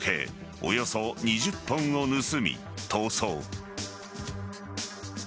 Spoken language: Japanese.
およそ２０本を盗み逃走。